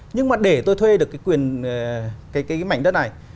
nhưng mà để tôi thuê được cái mảnh đất này